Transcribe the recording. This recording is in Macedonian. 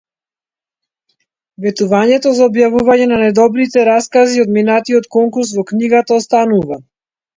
Ветувањето за објавување на најдобрите раскази од минатиот конкурс во книга останува.